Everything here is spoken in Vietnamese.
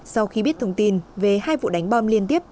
sau khi biết thông tin về hai vụ đánh bom liên tiếp